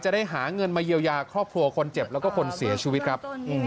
ได้หาเงินมาเยียวยาครอบครัวคนเจ็บแล้วก็คนเสียชีวิตครับ